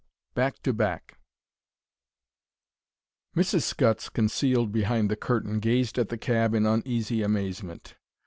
BACK TO BACK Mrs. Scutts, concealed behind the curtain, gazed at the cab in uneasy amazement.